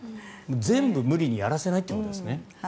全部、無理にやらせないってことですね。